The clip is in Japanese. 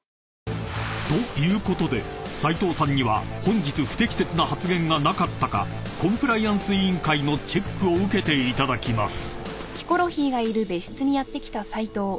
［ということで斎藤さんには本日不適切な発言がなかったかコンプライアンス委員会のチェックを受けていただきます］